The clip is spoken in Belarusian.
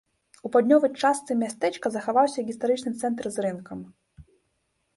У паўднёвай частцы мястэчка захаваўся гістарычны цэнтр з рынкам.